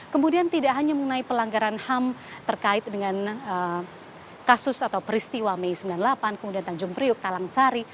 kemudian tidak hanya mengenai pelanggaran ham terkait dengan kasus atau peristiwa mei sembilan puluh delapan kemudian tanjung priuk kalangsari